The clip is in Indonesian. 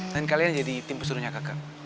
dan kalian jadi tim pesulunya keke